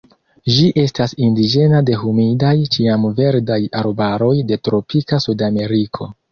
Ĝi estas indiĝena de humidaj ĉiamverdaj arbaroj de tropika Sudameriko.